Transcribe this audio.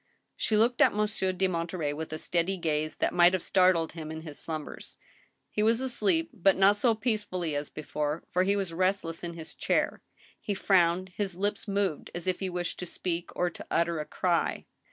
She looked at Monsieur de Monterey with a steady gaze that might have startled him in his slumbers. He was asleep, but not so peacefully as before, for he was restless in his chair, he frowned, his lips moved as if he wished to speak or to utter a cry.